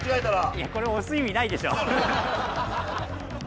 いやこれ押す意味ないでしょ。